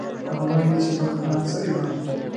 هغه وایي چې وخت د هر څه علاج ده